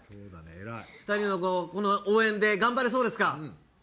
２人の応援で頑張れそうですか？